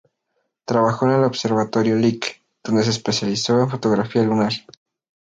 Trabajó en el Observatorio Lick, donde se especializó en fotografía lunar.